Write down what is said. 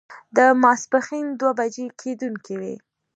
د ماسپښين دوه بجې کېدونکې وې.